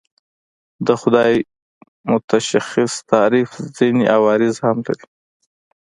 د خدای متشخص تعریف ځینې عوارض هم لري.